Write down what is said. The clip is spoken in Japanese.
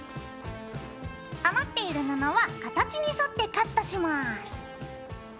余っている布は形に沿ってカットします。